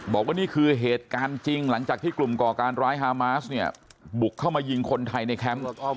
บอกว่านี่คือเหตุการณ์จริงหลังจากที่กลุ่มก่อการร้ายฮามาสเนี่ยบุกเข้ามายิงคนไทยในแคมป์